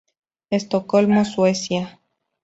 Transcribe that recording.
Estocolmo, Suecia.